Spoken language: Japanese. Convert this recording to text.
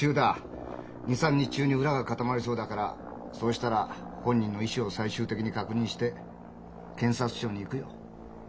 ２３日中に裏が固まりそうだからそうしたら本人の意志を最終的に確認して検察庁に行くよ。